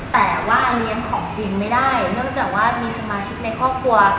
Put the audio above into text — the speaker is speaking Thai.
แต่ว่าเลี้ยงของจริงไม่ได้เนื่องจากว่ามีสมาชิกในครอบครัว